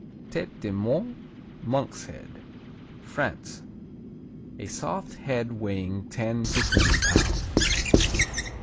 Tête de Moine, Monk's Head France A soft "head" weighing ten to twenty pounds.